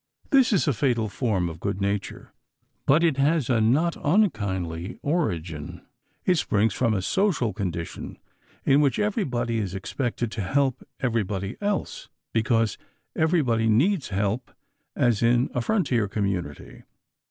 This is a fatal form of good nature, but it has a not unkindly origin. It springs from a social condition in which everybody is expected to help everybody else, because everybody needs help as in a frontier community.